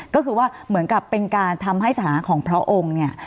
ก็คือว่าเหมือนกับเป็นการทำให้สถานะของพระองค์เนี่ย